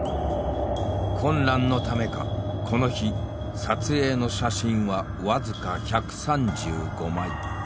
混乱のためかこの日撮影の写真はわずか１３５枚。